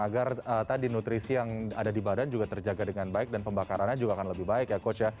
agar tadi nutrisi yang ada di badan juga terjaga dengan baik dan pembakarannya juga akan lebih baik ya coach ya